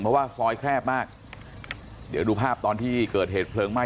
เพราะว่าซอยแคบมากเดี๋ยวดูภาพตอนที่เกิดเหตุเพลิงไหม้